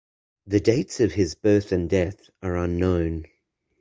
The dates of his birth and death are unknown